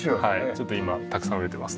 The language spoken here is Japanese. ちょっと今たくさん植えてます。